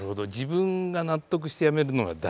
自分が納得してやめるのが大事。